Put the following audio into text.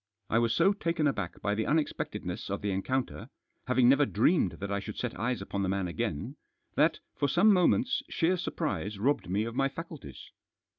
I was so taken aback by the unexpectedness of the encounter — having never dreamed that I should set eyes upon the man again — that, for some moments, sheer surprise robbed me of my faculties.